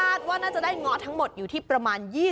คาดว่าน่าจะได้เงาะทั้งหมดอยู่ที่ประมาณ๒๐๓๐ตัน